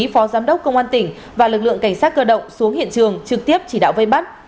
phó giám đốc công an tỉnh và lực lượng cảnh sát cơ động xuống hiện trường trực tiếp chỉ đạo vây bắt